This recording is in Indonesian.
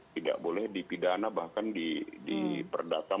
tidak boleh dipidana bahkan diperdata